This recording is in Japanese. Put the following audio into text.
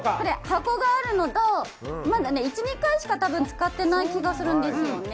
箱があるのとまだ１２回しか多分使っていない気がするんですよね。